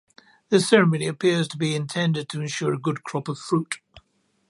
This ceremony appears to be intended to ensure a good crop of fruit.